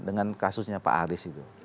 dengan kasusnya pak aris itu